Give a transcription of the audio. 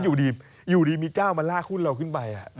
อยู่ดีมีเจ้ามาลากหุ้นเราขึ้นไป